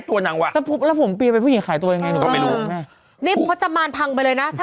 ลาพวกผู้หญิงขายตัวหนังจะมานถังไปเลยนะ